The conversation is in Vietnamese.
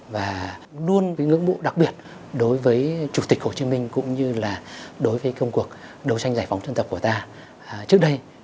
và luôn cái ngưỡng mộ đặc biệt đối với chủ tịch hồ chí minh cũng như là đối với công cuộc đấu tranh giải phóng dân tộc của ta trước đây